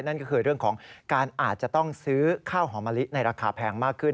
นั่นก็คือเรื่องของการอาจจะต้องซื้อข้าวหอมะลิในราคาแพงมากขึ้น